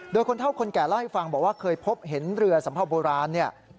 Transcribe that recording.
โดยคนเท่าคนแก่เล่าให้ฟังบอกว่าเคยพบเห็นเรือสัมภาวโบราณเนี่ย